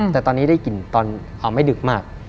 แต่ตอนนี้ได้กลิ่นตอนไม่ดึกมาก